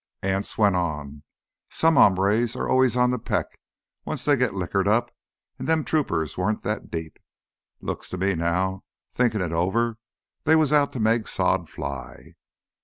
Anse went on. "Some hombres are always on th' peck once they get likkered up, but them troopers weren't that deep. Looks to me now, thinkin' it over, they was out to make sod fly.